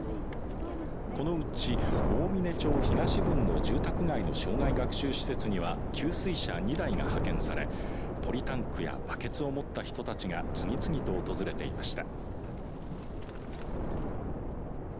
このうち大嶺町東分の住宅街の生涯学習施設には給水車２台が派遣されポリタンクやバケツを持った人たちが次々と訪れていました。